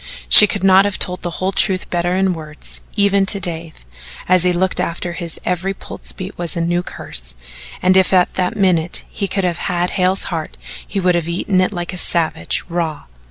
She could not have told the whole truth better in words, even to Dave, and as he looked after her his every pulse beat was a new curse, and if at that minute he could have had Hale's heart he would have eaten it like a savage raw.